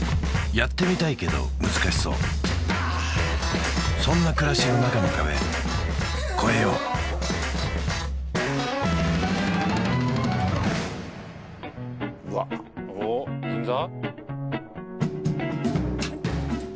やってみたいけど難しそうそんな暮らしの中の壁越えよううわおっ銀座？